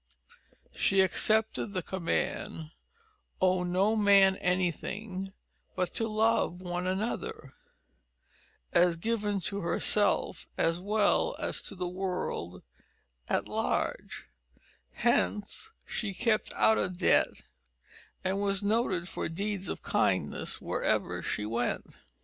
She accepted the command, "owe no man anything but to love one another," as given to herself as well as to the world at large hence she kept out of debt, and was noted for deeds of kindness wherever she went.